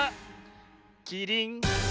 キリン！